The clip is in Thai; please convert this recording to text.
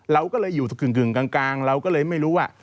เราก็เลยอยู่กึ่งกลางเราก็เลยไม่รู้ว่า